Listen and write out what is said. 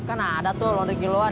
kan ada tuh londrik giluan